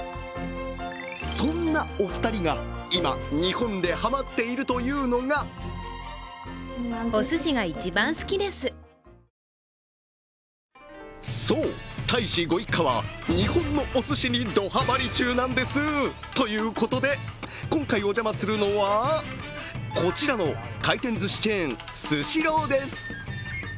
そんなお二人が今、日本でハマっているというのがそう、大使ご一家は日本のおすしにドはまり中なんです。ということで、今回お邪魔するのはこちらの回転ずしチェーン、スシローです。